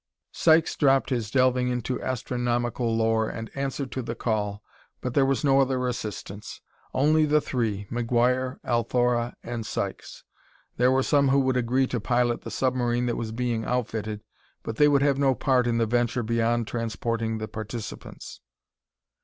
Sykes dropped his delving into astronomical lore and answered to the call, but there was no other assistance. Only the three, McGuire, Althora and Sykes. There were some who would agree to pilot the submarine that was being outfitted, but they would have no part in the venture beyond transporting the participants.